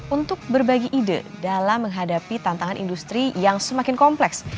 untuk berbagi ide dalam menghadapi tantangan industri yang semakin kompleks